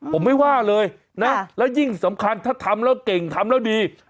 ผมไม่ว่าเลยนะแล้วยิ่งสำคัญถ้าทำแล้วเก่งทำแล้วดี